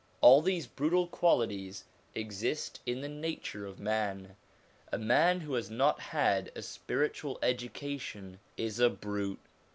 All these brutal qualities exist in the nature of man. A man who has not had a spiritual education is a brute.